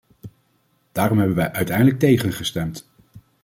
Daarom hebben wij uiteindelijk tegengestemd.